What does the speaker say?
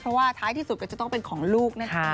เพราะว่าท้ายที่สุดก็จะต้องเป็นของลูกนะคะ